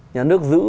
nhà nước giữ